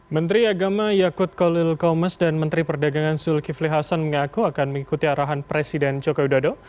menteri agama yakut kolil komas dan menteri perdagangan zulkifli hasan mengaku akan mengikuti arahan presiden joko widodo